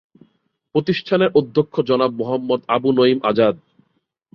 প্রতিষ্ঠানের অধ্যক্ষ জনাব মুহাম্মদ আবু নঈম আজাদ।